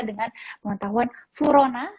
dengan pengetahuan flurona